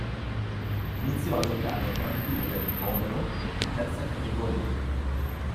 Iniziò a giocare tra le file del "Vomero" in Terza Categoria.